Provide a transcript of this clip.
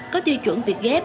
có tiêu chuẩn vịt gà